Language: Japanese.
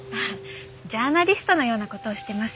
ジャーナリストのような事をしてます。